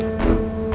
terima kasih bu dokter